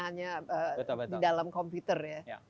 hanya di dalam komputer ya